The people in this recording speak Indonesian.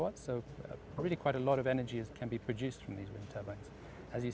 jadi banyak energi yang dapat dihasilkan dari turbine udara ini